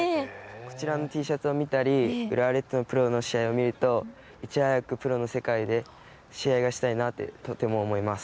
こちらのＴシャツを見たり浦和レッズのプロの試合を見るといち早くプロの世界で試合がしたいなと思います。